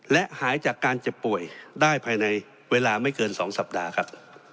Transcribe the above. และหายจากการเจ็บป่วยได้ภายในเวลาไม่เกิน๒สัปดาห์ครับ